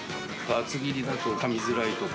厚切りだとかみづらいとか？